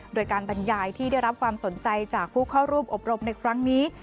โดยการบรรยายที่ได้รับความสนใจจากผู้เข้าร่วมอบรมในครั้งนี้